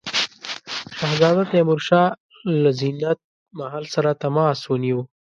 شهزاده تیمورشاه له زینت محل سره تماس ونیو.